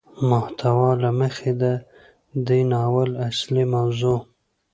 د محتوا له مخې ده دې ناول اصلي موضوع